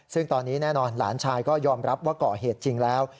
ซึ่งตอนนี้แน่นอนหลานชายก็ยอมรับว่าก่อเหตุจริงแล้ว